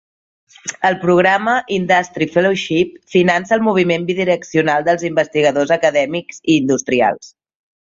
El programa Industry Fellowship finança el moviment bidireccional dels investigadors acadèmics i industrials.